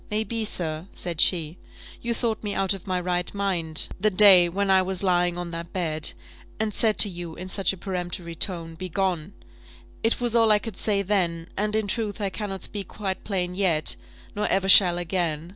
"May be, sir," said she, "you thought me out of my right mind the day when I was lying on that bed, and said to you in such a peremptory tone, 'Begone!' It was all I could say then; and, in truth, I cannot speak quite plain yet; nor ever shall again.